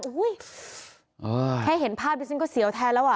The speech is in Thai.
ให้เห็นภาพดิฉันก็เสียวแทนแล้วอ่ะ